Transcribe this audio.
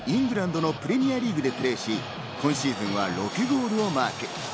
三笘選手は現在イングランドのプレミアリーグでプレーし、今シーズンは６ゴールをマーク。